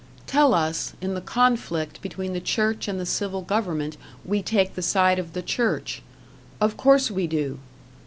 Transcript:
Tell us, in the conflict between the church and the civil government we take the side of the church; of course we do.